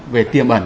về tiềm ẩn